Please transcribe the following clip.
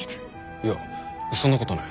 いやそんなことはない。